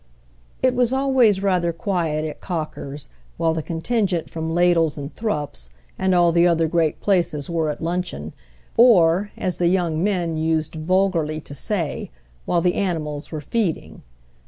It was always rather quiet at Cocker's while the contingent from Ladle's and Thrupp's and all the other great places were at luncheon, or, as the young men used vulgarly to say, while the animals were feeding.